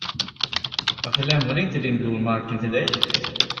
Varför lämnade inte din bror marken till dig?